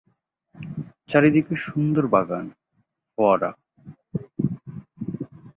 চারিদিকে সুন্দর বাগান, ফোয়ারা।